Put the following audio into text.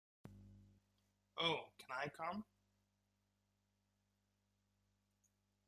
Oh, can I come?